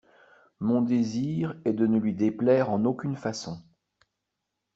Mon désir est de ne lui déplaire en aucune façon.